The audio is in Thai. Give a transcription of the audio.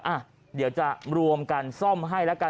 อ่ะเดี๋ยวจะรวมกันซ่อมให้แล้วกัน